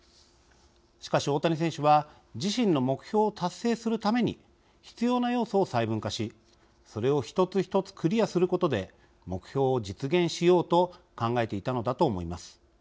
しかし大谷選手は自身の目標を達成するために必要な要素を細分化しそれを１つ１つクリアすることで目標を実現しようと考えていたのだと思います。